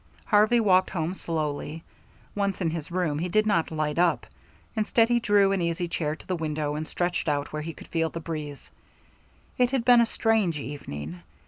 Harvey walked home slowly. Once in his room, he did not light up; instead he drew an easy chair to the window and stretched out where he could feel the breeze. It had been a strange evening.